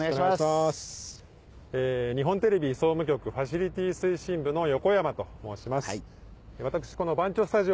日本テレビ総務局ファシリティ推進部の横山と申します。